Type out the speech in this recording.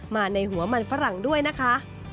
มาในหัวมันฝรั่งด้วยนะคะ